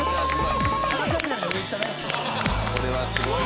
これはすごい。